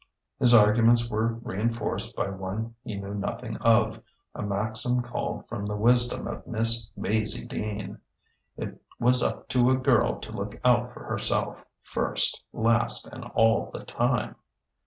His arguments were reinforced by one he knew nothing of, a maxim culled from the wisdom of Miss Maizie Dean: It was up to a girl to look out for herself first, last, and all the time.